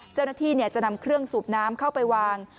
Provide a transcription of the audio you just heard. เจ้าหน้าที่จะนำเครื่องสูบน้ำเข้าไปวาง